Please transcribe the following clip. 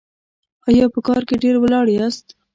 ایا په کار کې ډیر ولاړ یاست؟